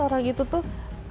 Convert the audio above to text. orang itu tuh